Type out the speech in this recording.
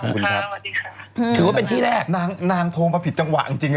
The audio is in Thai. ถือว่าเป็นที่แรกนางโทรมาผิดจังหวะจริง